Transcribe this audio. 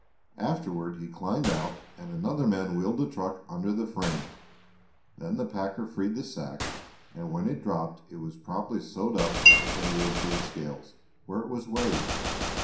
Afterward he climbed out and another man wheeled a truck under the frame; then the packer freed the sack, and when it dropped it was promptly sewed up and wheeled to the scales, where it was weighed.